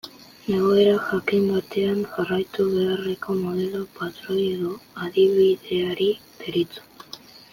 Egoera jakin batean jarraitu beharreko modelo, patroi edo adibideari deritzo.